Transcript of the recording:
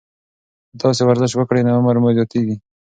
که تاسي ورزش وکړئ، نو عمر مو زیاتیږي.